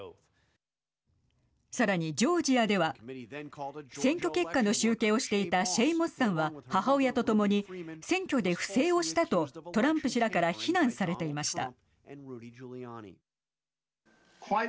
さらに、ジョージアでは選挙結果の集計をしていたシェイ・モスさんは母親とともに選挙で不正をしたとトランプ氏らから非難されていました。